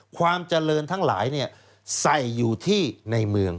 ความเจริญทั้งหลายใส่อยู่ที่ในเมือง